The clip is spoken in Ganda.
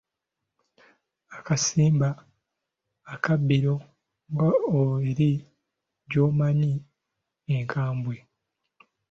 Akasimba akabbiro Ngo eri gy’omanyi enkambwe.